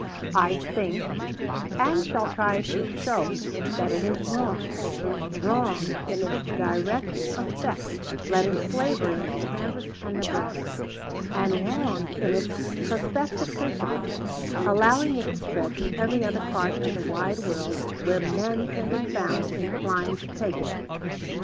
"I think, and shall try to show, that it is wrong, wrong in its direct effect, letting slavery into Kansas and Nebraska, and wrong in its prospective principle, allowing it to spread to every other part of the wide world where men can be found inclined to take it.